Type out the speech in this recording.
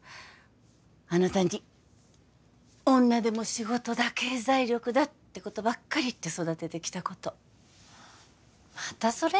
あなたに女でも仕事だ経済力だってことばっかり言って育ててきたことまたそれ？